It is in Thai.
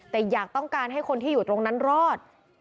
แต่อยากต้องการให้คนที่อยู่ตรงนั้นรอด